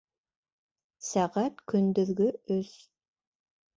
Сәғәт көндөҙгө өс